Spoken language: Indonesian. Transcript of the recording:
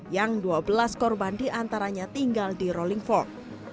yang dua belas korban diantaranya tinggal di rolling fork